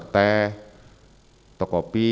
teh atau kopi